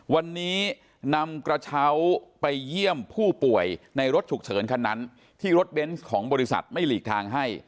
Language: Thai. วันนี้นำกระเช้าไปเยี่ยมผู้ป่วยในรถฉุกเฉินคันนั้นที่รถเบนส์ของบริษัทไม่หลีกทางให้